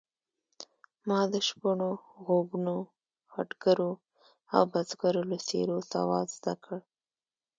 ما د شپنو، غوبنو، خټګرو او بزګرو له څېرو سواد زده کړ.